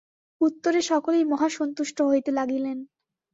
উত্তরে সকলেই মহা সন্তুষ্ট হইতে লাগিলেন।